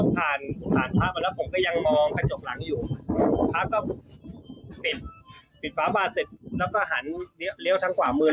ยังไงน่าจะเป็นสัมภเวศิษฐ์อาจจะมาขอส่วนบุญกับพระ